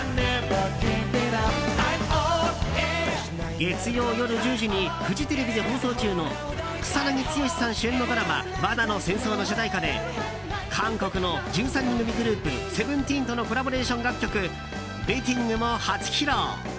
月曜夜１０時にフジテレビで放送中の草なぎ剛さん主演のドラマ「罠の戦争」の主題歌で韓国の１３人組グループＳＥＶＥＮＴＥＥＮとのコラボレーション楽曲「ＢＥＴＴＩＮＧ」も初披露。